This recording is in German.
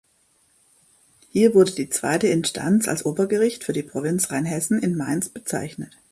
Hier wurde die zweite Instanz als Obergericht für die Provinz Rheinhessen in Mainz bezeichnet.